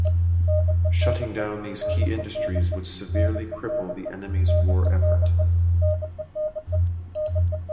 Shutting down these key industries would severely cripple the enemy's war effort.